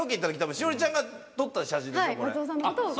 栞里ちゃんが撮った写真？